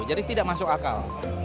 jadi tidak masuk akal